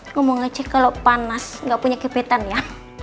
ngomong aja kalau panas nggak punya gebetan ya